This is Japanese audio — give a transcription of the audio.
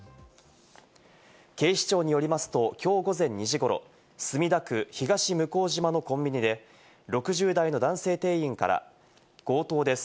警視庁によりますと、きょう午前２時ごろ、墨田区東向島のコンビニで、６０代の男性店員から強盗です。